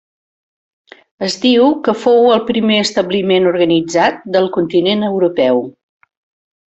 Es diu que fou el primer establiment organitzat del continent europeu.